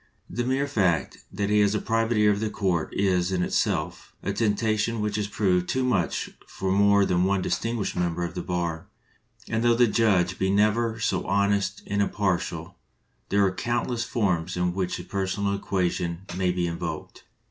The mere fact that he has the private ear of the court is, in itself, a temptation which has proved too much for more than one distinguished member of the bar; and though the judge be never so honest and impar tial, there are countless forms in which the per sonal equation may be invoked.